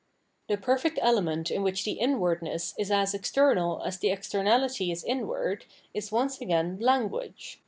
The perfect element in which the inwardness is as external as the externality is inward, is once again Language.